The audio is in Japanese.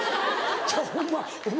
ちゃうホンマお前